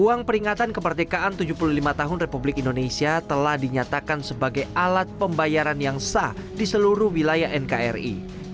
uang peringatan kemerdekaan tujuh puluh lima tahun republik indonesia telah dinyatakan sebagai alat pembayaran yang sah di seluruh wilayah nkri